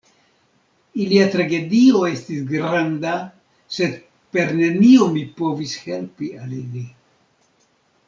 Ilia tragedio estis granda, sed per nenio mi povis helpi al ili.